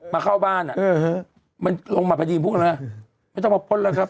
มาเข้าบ้านอ่ะเออมันลงมาไปดินพวกนั้นฮะไม่ต้องมาป้นแล้วครับ